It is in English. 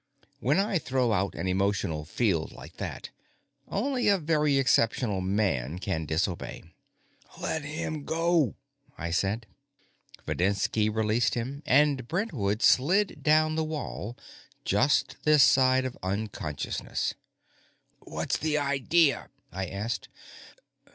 When I throw out an emotional field like that, only a very exceptional man can disobey. "Let him go," I said. Videnski released him, and Brentwood slid down the wall, just this side of unconsciousness. "What's the idea?" I asked.